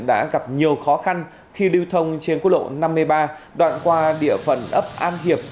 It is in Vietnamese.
đã gặp nhiều khó khăn khi lưu thông trên quốc lộ năm mươi ba đoạn qua địa phận ấp an hiệp